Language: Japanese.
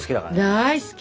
大好き。